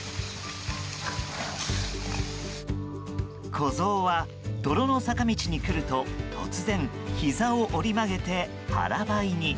子ゾウは泥の坂道に来ると突然、ひざを折り曲げて腹ばいに。